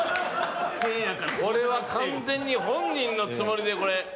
「これは完全に本人のつもりで。